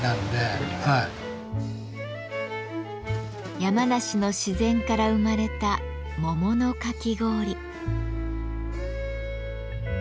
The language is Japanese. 山梨の自然から生まれた桃のかき氷。